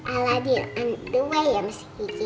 ala diri andui ya miss kiki